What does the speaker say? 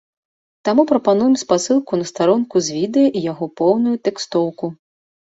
Таму прапануем спасылку на старонку з відэа і яго поўную тэкстоўку.